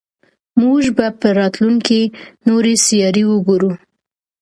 موږ به په راتلونکي کې نورې سیارې وګورو.